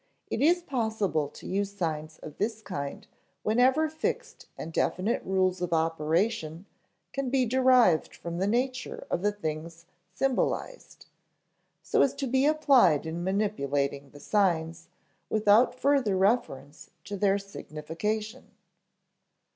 It is possible to use signs of this kind whenever fixed and definite rules of operation can be derived from the nature of the things symbolized, so as to be applied in manipulating the signs, without further reference to their signification.